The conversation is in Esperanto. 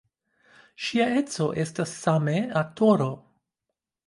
Ŝia edzo estas same aktoro.